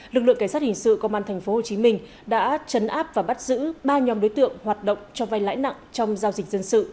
lực lượng cảnh sát hình sự công an tp hcm đã trấn áp và bắt giữ ba nhóm đối tượng hoạt động cho vai lãi nặng trong giao dịch dân sự